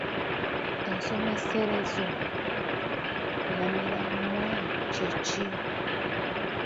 Ensomeserezo nnamiramwa kye ki?